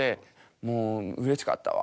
「もううれしかったわ」